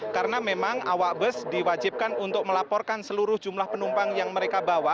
karena memang awak bus diwajibkan untuk melaporkan seluruh jumlah penumpang yang mereka bawa